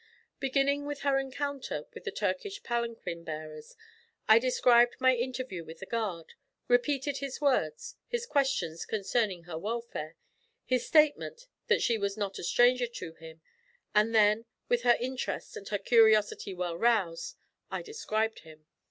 Beginning with her encounter with the Turkish palanquin bearers, I described my interview with the guard, repeated his words, his questions concerning her welfare, his statement that she was not a stranger to him, and then, with her interest and her curiosity well aroused, I described him.